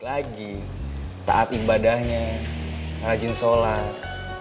lagi taat ibadahnya rajin sholat